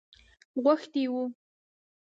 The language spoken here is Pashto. غوښتی وو.